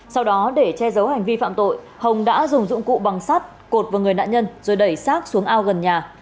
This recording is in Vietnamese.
sau đó để che giấu hành vi phạm tội hồng đã dùng dụng cụ bằng sắt cột vào người nạn nhân rồi đẩy sát xuống ao gần nhà